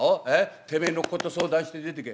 てめえのここと相談して出てけ。